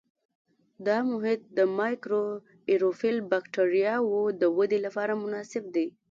دا محیط د مایکروآیروفیل بکټریاوو د ودې لپاره مناسب دی.